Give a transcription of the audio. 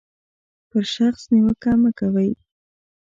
پر شخص نیوکه مه کوئ.